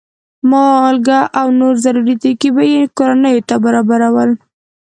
مالګه او نور ضروري توکي به یې کورنیو ته برابرول.